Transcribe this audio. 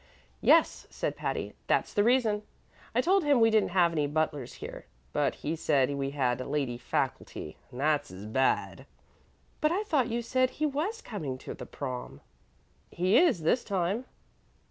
"Yes," said Patty; "that's the reason. I told him we didn't have any butlers here; but he said we had lady faculty, and that's as bad." "But I thought you said he was coming to the Prom." "He is this time."